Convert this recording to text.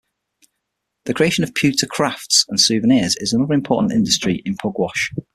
The creation of pewter crafts and souvenirs is another important industry in Pugwash.